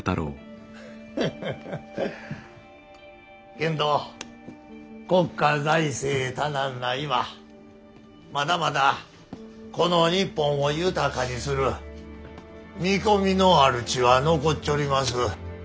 けんど国家財政多難な今まだまだこの日本を豊かにする見込みのある地は残っちょります。